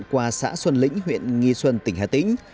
qua xã xuân lĩnh huyện nghi xuân tỉnh hà tĩnh